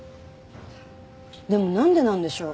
でもなんでなんでしょう？